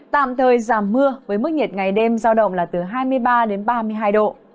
tạm thời giảm mưa với mức nhiệt ngày đêm giao động là từ hai mươi ba đến ba mươi hai độ